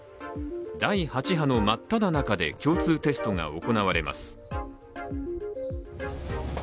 第８波の真っただ中で共通テストが行われます。